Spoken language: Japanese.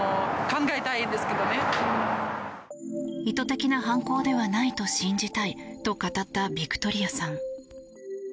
意図的な犯行ではないと信じたいと語ったヴィクトリアさん。